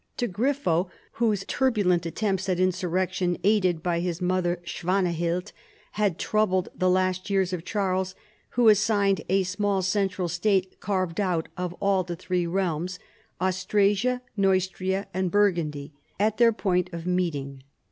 To Grifo, whose turbulent attempts at insurrection aided by his mother Swanahild, had troubled the last years of Charles, who assigned a small central state carved out of all the three realms, Austrasia, Neustria, and Burgundy, at their point of meeting.